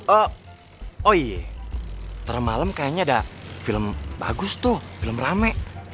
oh iya ntar malam kayaknya ada film bagus tuh film rame